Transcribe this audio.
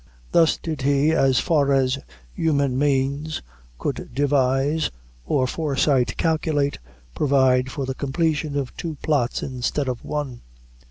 Thus did he, so far as human means could devise, or foresight calculate, provide for the completion of two plots instead of one.